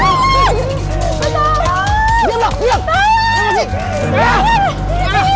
setelah ini kita pasti bisa berkumpul lagi